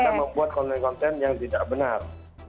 karena membuat konten konten yang tidak benar